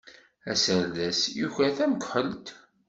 Aserdas yuker tamekḥelt.